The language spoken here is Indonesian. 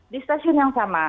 di stasiun yang sama